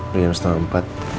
udah jam setengah empat